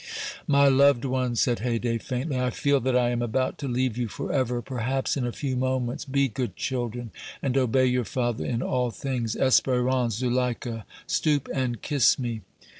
"My loved ones," said Haydée, faintly, "I feel that I am about to leave you forever, perhaps in a few moments. Be good children and obey your father in all things. Espérance, Zuleika, stoop and kiss me."